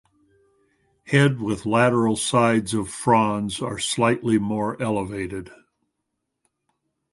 Head with lateral sides of frons are slightly more elevated.